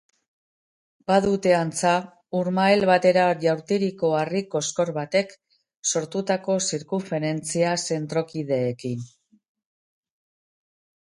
Badute antza urmael batera jaurtiriko harri-koskor batek sortutako zirkunferentzia zentrokideekin.